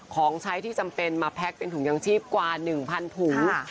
ของใช้ที่จำเป็นมาแพ็คเป็นถุงยังชีพกว่า๑๐๐ถุง